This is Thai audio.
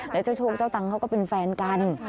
แล้วเจ้าโชคเจ้าตังเขาก็เป็นแฟนกัน